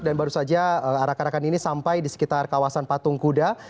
dan baru saja arah karakan ini sampai di sekitar kawasan patung kuda